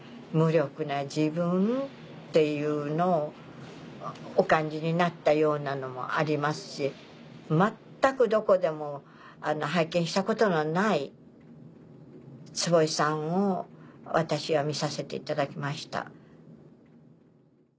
無力な自分っていうのをお感じになったようなのもありますし全くどこでも拝見したことのない坪井さんを私は見させていただきました。